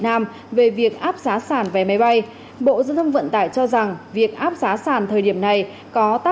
nam về việc áp giá sản vé máy bay bộ giao thông vận tải cho rằng việc áp giá sàn thời điểm này có